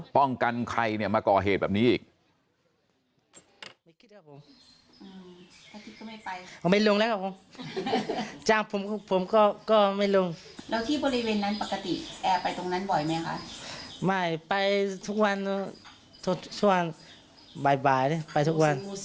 ใครเนี่ยมาก่อเหตุแบบนี้อีก